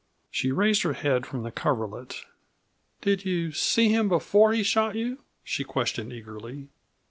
She raised her head from the coverlet. "Did you see him before he shot you?" she questioned eagerly.